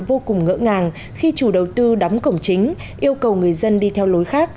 vô cùng ngỡ ngàng khi chủ đầu tư đóng cổng chính yêu cầu người dân đi theo lối khác